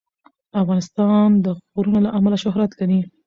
افغانستان د غرونه له امله شهرت لري.